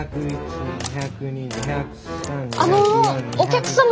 あのお客様。